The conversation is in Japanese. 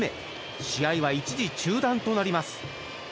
試合は一時中断となります。